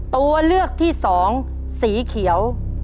ตัวเลือกที่สองสีเขียว